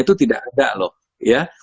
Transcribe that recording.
itu tidak ada loh ya